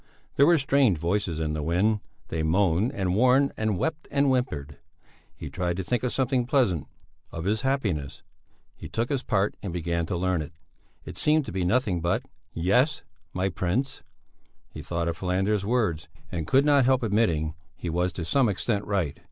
There were strange voices in the wind; they moaned and warned and wept and whimpered. He tried to think of something pleasant: of his happiness. He took his part and began to learn it; it seemed to be nothing but yes, my prince; he thought of Falander's words and could not help admitting that he was to some extent right.